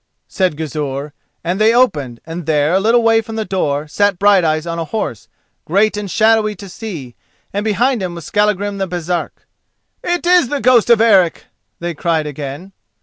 said Gizur, and they opened, and there, a little way from the door, sat Brighteyes on a horse, great and shadowy to see, and behind him was Skallagrim the Baresark. "It is the ghost of Eric!" they cried again.